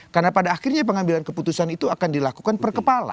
karena pada akhirnya pengambilan keputusan itu akan dilakukan per kepala